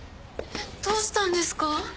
どうしたんですか？